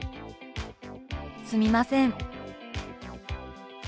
「すみません」。